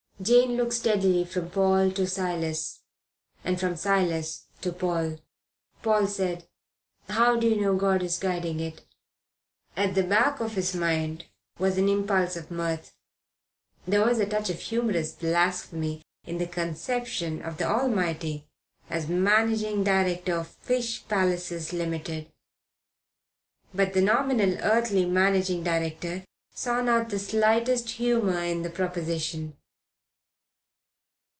Jane looked steadily from Paul to Silas and from Silas to Paul. Paul said: "How do you know God is guiding it?" At the back of his mind was an impulse of mirth there was a touch of humorous blasphemy in the conception of the Almighty as managing director of "Fish Palaces, Limited" but the nominal earthly managing director saw not the slightest humour in the proposition.